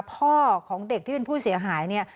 พ่อของเด็กที่เป็นผู้เสียหายเนี่ย